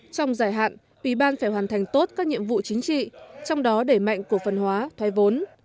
trong dài hạn ủy ban phải hoàn thành tốt các nhiệm vụ chính trị trong đó đẩy mạnh cổ phần hóa thoái vốn